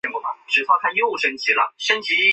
中共第十六届中央候补委员。